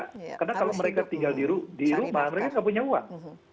karena kalau mereka tinggal di rumah mereka tidak punya uang